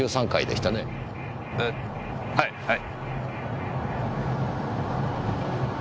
えはいはい。